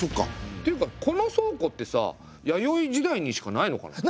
っていうかこの倉庫ってさ弥生時代にしかないのかな？